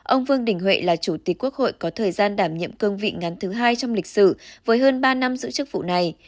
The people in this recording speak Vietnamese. ông vương đình huệ là chủ tịch quốc hội có thời gian đảm nhiệm cương vị ngắn thứ hai trong lịch sử với hơn ba năm giữ chức vụ này